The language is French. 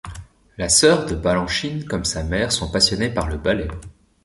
La sœur de Balanchine comme sa mère sont passionnées par le ballet.